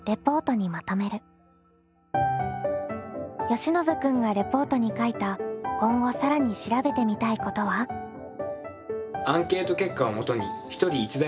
よしのぶ君がレポートに書いた今後更に調べてみたいことは？と思いました。